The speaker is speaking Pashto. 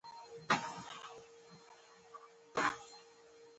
موږ د اضافي بار او خاورې فشار محاسبه کوو